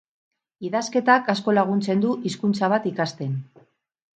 Idazketak asko laguntzen du hizkuntza bat ikasten.